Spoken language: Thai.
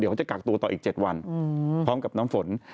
เขาจะกักตัวต่ออีก๗วันพร้อมกับน้ำฝน